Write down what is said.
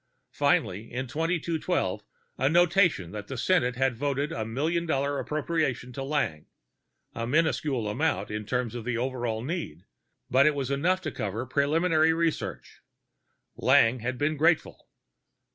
Finally, in 2212, a notation that the Senate had voted a million dollar appropriation to Lang a miniscule amount, in terms of the overall need, but it was enough to cover preliminary research. Lang had been grateful.